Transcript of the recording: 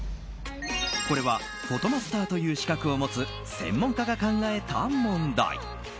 これはフォトマスターという資格を持つ専門家が考えた問題。